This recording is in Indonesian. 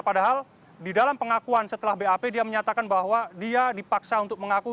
padahal di dalam pengakuan setelah bap dia menyatakan bahwa dia dipaksa untuk mengaku